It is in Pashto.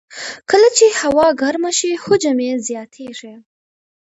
کله چې هوا ګرمه شي، حجم یې زیاتېږي.